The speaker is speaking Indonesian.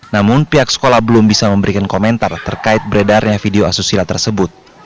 namun pihak sekolah belum bisa memberikan komentar terkait beredarnya video asusila tersebut